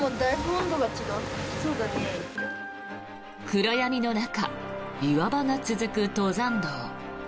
暗闇の中、岩場が続く登山道。